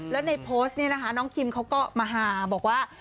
แล้วในโพสต์นี้นะคะน้องคิมเขาก็มาฮาบอกว่า